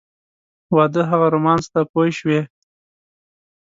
واده هغه رومانس دی پوه شوې!.